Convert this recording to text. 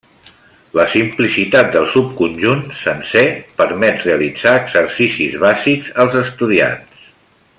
La simplicitat del subconjunt sencer permet realitzar exercicis bàsics als estudiants.